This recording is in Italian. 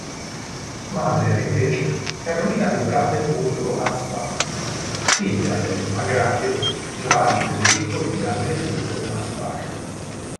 Sua madre era invece Carolina di Brandeburgo-Ansbach, figlia del margravio Giovanni Federico di Brandeburgo-Ansbach.